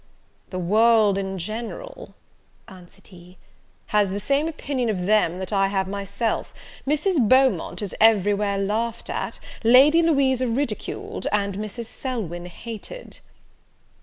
"The world in general," answered he, "has the same opinion of them that I have myself: Mrs. Beaumont is every where laughed at, Lady Louisa ridiculed, and Mrs. Selwyn hated."